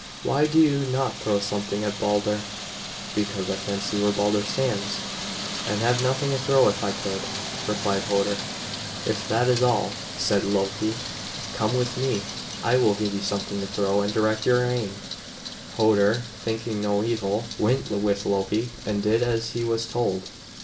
"Why do you not throw something at Balder?" "Because I cannot see where Balder stands, and have nothing to throw if I could," replied Hoder. "If that is all," said Loki, "come with me. I will give you something to throw, and direct your aim." Hoder, thinking no evil, went with Loki and did as he was told.